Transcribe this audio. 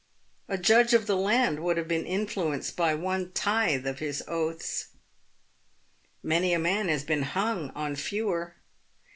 A judge of the land would have been influenced by one tithe of his oaths. Many a man has been hung on fewer.